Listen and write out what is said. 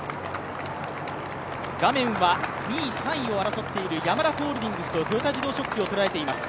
画面は２位、３位を争っているヤマダホールディングスと豊田自動織機を捉えています。